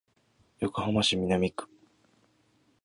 横浜市南区